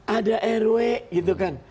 ada rw gitu kan